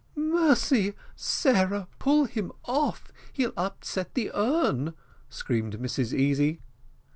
"Mercy! Sarah, pull him off he'll upset the urn," screamed Mrs Easy.